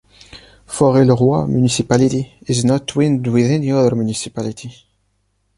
Forêt-le-Roi municipality is not twinned with any other municipality.